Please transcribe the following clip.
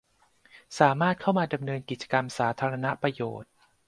สามารถเข้ามาดำเนินกิจกรรมสาธารณประโยชน์